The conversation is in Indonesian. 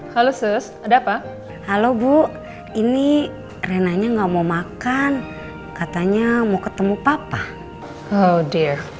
halo sus ada apa halo bu ini renanya nggak mau makan katanya mau ketemu papa oh dear